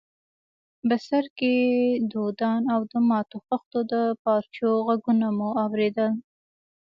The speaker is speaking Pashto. بڅرکي، دودان او د ماتو خښتو د پارچو ږغونه مو اورېدل.